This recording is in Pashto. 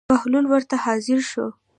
بهلول ورته حاضر شو.